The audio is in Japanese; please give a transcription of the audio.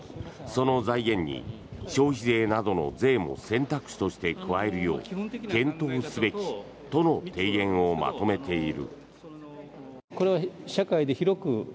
その財源に消費税などの税も選択肢として加えるよう検討すべきとの提言をまとめている。